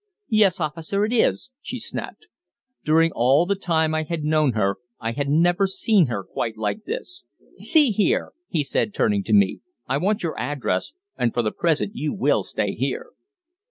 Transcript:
"Yes, officer, it is," she snapped. During all the time I had known her I had never seen her quite like this. "See here," he said, turning to me, "I want your address, and for the present you will stay here."